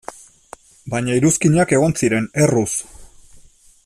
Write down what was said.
Baina iruzkinak egon ziren, erruz.